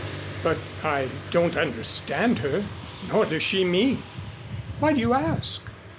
But I don't understand her nor does she me. Why do you ask?"